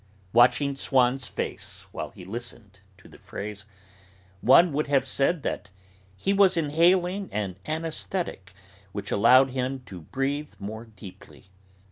Watching Swann's face while he listened to the phrase, one would have said that he was inhaling an anaesthetic which allowed him to breathe more deeply.